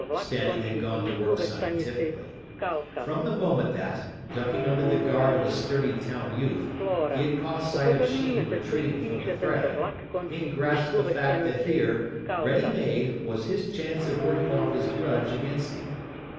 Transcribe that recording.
Stanning had gone to work scientifically. From the moment that, ducking under the guard of a sturdy town youth, he had caught sight of Sheen retreating from the fray, he had grasped the fact that here, ready made, was his chance of working off his grudge against him.